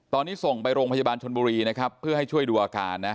ตอนนี้ส่งไปโรงพยาบาลชนบุรีนะครับเพื่อให้ช่วยดูอาการนะ